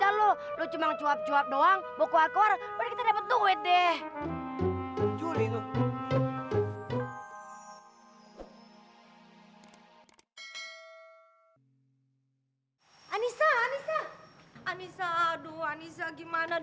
assalamualaikum salam salam